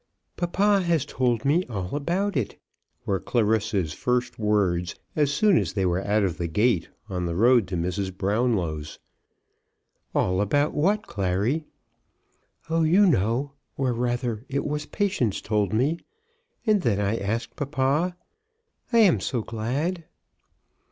"Papa has told me all about it," were Clarissa's first words as soon as they were out of the gate on the road to Mrs. Brownlow's. "All about what, Clary?" "Oh you know; or rather it was Patience told me, and then I asked papa. I am so glad."